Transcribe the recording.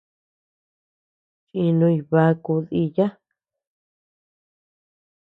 Chinuñ bakuu diya.